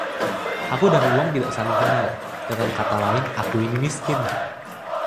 Aku dan uang tidak saling kenal. Dengan kata lain, aku ini miskin.